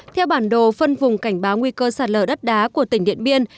theo bản đồ phân vùng cảnh báo nguy cơ sạt lở đất đá của tỉnh điện biên